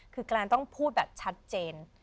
คือการต้องพูดแบบชัดเจน